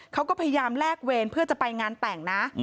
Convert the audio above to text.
เขาก็พยายามแลกเวรเพื่อจะไปงานแต่งนะ